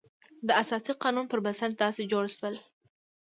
د اساسي قانون پر بنسټ داسې جوړ شول.